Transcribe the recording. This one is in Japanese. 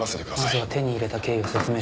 まずは手に入れた経緯を説明しろ。